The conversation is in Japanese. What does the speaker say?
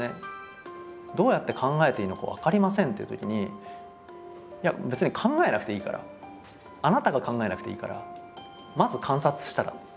「どうやって考えていいのか分かりません」っていうときに「いや別に考えなくていいからあなたが考えなくていいからまず観察したら？